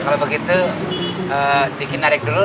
kalau begitu diki narik dulu